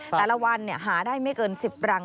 แต่ละวันหาได้ไม่เกิน๑๐รัง